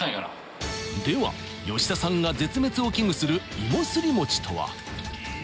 では吉田さんが絶滅を危惧するいもすりもちとは？